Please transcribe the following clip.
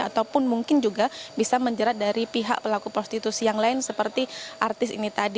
ataupun mungkin juga bisa menjerat dari pihak pelaku prostitusi yang lain seperti artis ini tadi